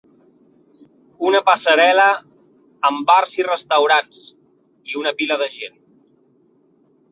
Una passarel·la amb bars i restaurants, i una pila de gent.